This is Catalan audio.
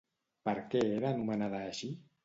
Per què era anomenada així?